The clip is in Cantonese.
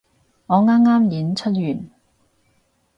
我啱啱演出完